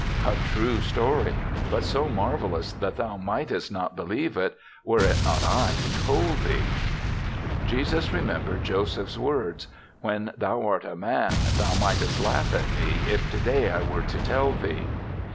"A true story, but so marvelous that thou mightest not believe it, were it not I who told thee." Jesus remembered Joseph's words, " When thou art a man thou might est laugh at me if today I were to tell thee."